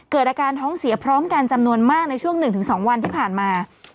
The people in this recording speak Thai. เกิดอาการท้องเสียพร้อมกันจำนวนมากในช่วง๑๒วันที่ผ่านมา